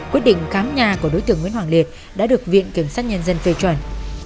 quyết định khám nhà của đối tượng nguyễn hoàng liệt đã được viện kiểm sát nhân dân phê chuẩn